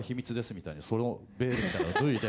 みたいにそのベールみたいなのを脱いで。